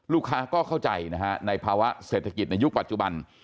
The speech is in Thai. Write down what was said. ลูกค้าก็เข้าใจนะฮะในภาวะเศรษฐกิจในยุคปัจจุบัน